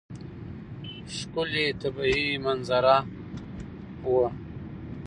ښکلې طبیعي منظره وه.